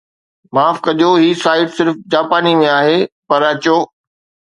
معاف ڪجو هي سائيٽ صرف جاپاني ۾ آهي پر اچو